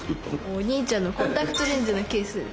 お兄ちゃんのコンタクトレンズのケース。